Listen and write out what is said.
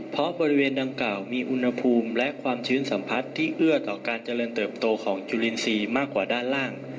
เพราะบริเวณดังกล่าวมีอุณหภูมิและความชื้นสัมผัสที่เอื้อต่อการเจริญเติบโตของจุลินทรีย์มากกว่าด้านล่าง